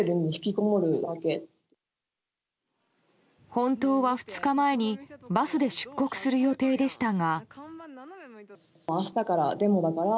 本当は２日前にバスで出国する予定でしたが。